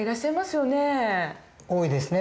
多いですね。